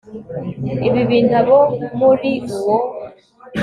ibi bintu Abo muri uwo